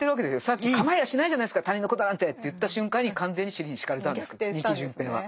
さっき「かまいやしないじゃないですか他人のことなんて」って言った瞬間に完全に尻に敷かれたわけです仁木順平は。